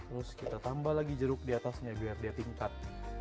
terus kita tambah lagi jeruk di atasnya biar dia tingkat